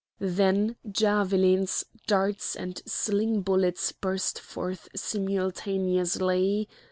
Then javelins, darts, and sling bullets burst forth simultaneously.